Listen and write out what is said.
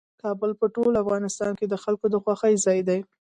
کابل په ټول افغانستان کې د خلکو د خوښې ځای دی.